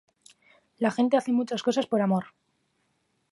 La gente hace muchas cosas por amor.